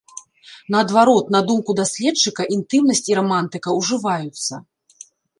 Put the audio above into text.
Наадварот, на думку даследчыка, інтымнасць і рамантыка ўжываюцца.